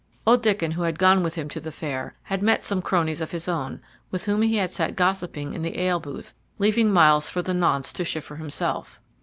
Old Diccon, who had gone with him to the fair, had met some cronies of his own, with whom he had sat gossiping in the ale booth, leaving Myles for the nonce to shift for himself.